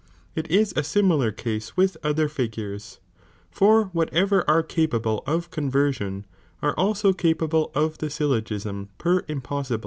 It is a similar case with other figures, for whatever are capable of conversion, are also capable of the syllogism per iinpossibile.